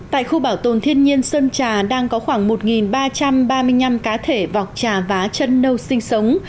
tại khu bảo tồn thiên nhiên sơn trà đang có khoảng một ba trăm ba mươi năm cá thể vọc trà vá chân nâu sinh sống